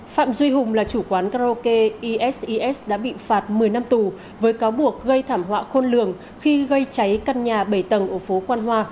phạm duy hùng là chủ quán karaoke eses đã bị phạt một mươi năm tù với cáo buộc gây thảm họa khôn lường khi gây cháy căn nhà bảy tầng ở phố quan hoa